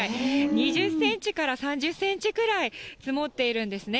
２０センチから３０センチくらい、積もっているんですね。